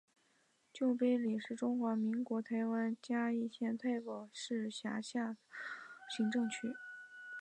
旧埤里是中华民国台湾嘉义县太保市辖下的行政区。